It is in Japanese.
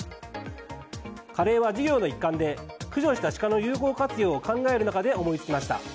カレーは授業の一環で駆除したシカの有効活用を考える中で思いつきました。